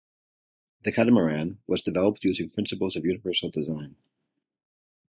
The catamaran was developed using principles of universal design.